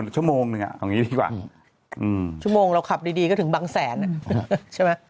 ชั่วโมงเราขับดีก็ถึงบังแสนอ่ะใช่ไหม